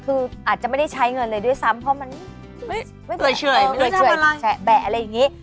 คืออาจจะไม่ได้ใช้เงินเลยด้วยซ้ำเพราะมันไม่เคยแฉะแบะอะไรอย่างนี้